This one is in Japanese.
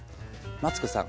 マツコさん。